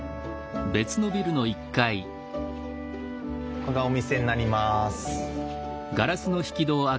ここがお店になります。